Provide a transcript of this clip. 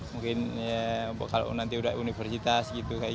mungkin kalau nanti sudah universitas